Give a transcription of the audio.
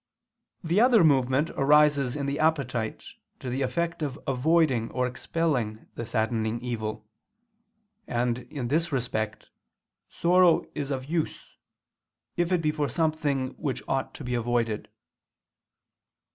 The other movement arises in the appetite to the effect of avoiding or expelling the saddening evil: and, in this respect, sorrow is of use, if it be for something which ought to be avoided.